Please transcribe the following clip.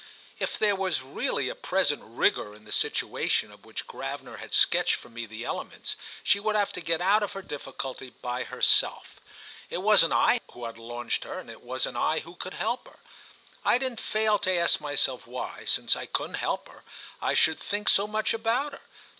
If there was really a present rigour in the situation of which Gravener had sketched for me the elements, she would have to get out of her difficulty by herself. It wasn't I who had launched her and it wasn't I who could help her. I didn't fail to ask myself why, since I couldn't help her, I should think so much about her.